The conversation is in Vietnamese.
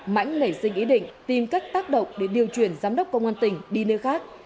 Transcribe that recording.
mãnh nảy sinh ý định tìm các tác động để điều chuyển giám đốc công an tỉnh đi nơi khác